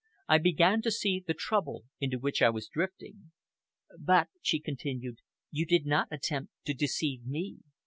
I began to see the trouble into which I was drifting. "But," she continued, "you did not attempt to deceive me.